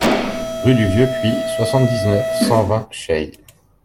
Rue du Vieux Puit, soixante-dix-neuf, cent vingt Chey